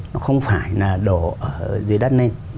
nó không phải là đồ ở dưới đất lên